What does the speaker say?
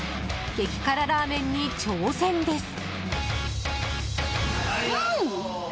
激辛ラーメンに挑戦です。